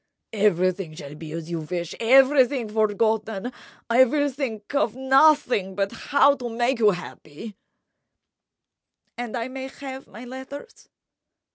"Everything shall be as you wish—everything forgotten—I will think of nothing but how to make you happy—" "And I may have my letters?"